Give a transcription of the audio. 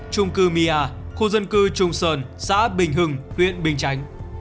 trung cư my a khu dân cư trung sơn xã bình hưng huyện bình chánh